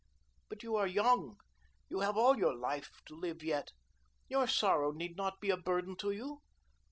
But you are young; you have all your life to live yet. Your sorrow need not be a burden to you.